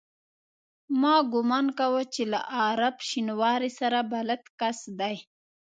ما ګومان کاوه چې له عارف شینواري سره بلد کس دی.